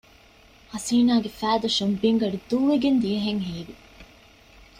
ހަސީނާގެ ފައިދަށުން ބިންގަނޑު ދޫވެގެން ދިޔަހެން ހީވި